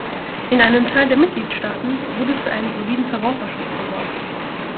In einem Teil der Mitgliedstaaten wurde für einen soliden Verbraucherschutz gesorgt.